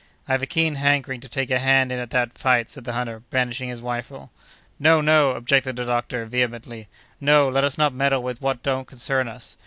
"I have a keen hankering to take a hand in at that fight," said the hunter, brandishing his rifle. "No! no!" objected the doctor, vehemently; "no, let us not meddle with what don't concern us.